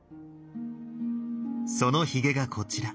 そのヒゲがこちら。